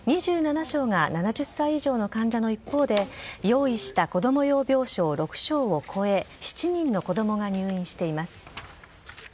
２７床が７０歳以上の患者の一方で、用意した子ども用病床６床を超え、７人の子どもが入院しています。